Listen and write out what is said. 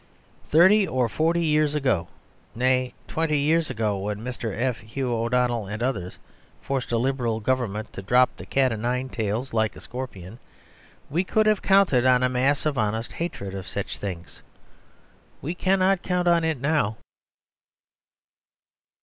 Thirty or forty years ago, nay, twenty years ago, when Mr. F. Hugh O'Donnell and others forced a Liberal Government to drop the cat o nine tails like a scorpion, we could have counted on a mass of honest hatred of such things. We cannot count on it now.